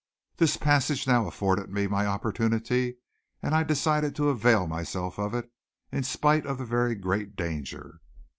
This passage now afforded me my opportunity, and I decided to avail myself of it in spite of the very great danger.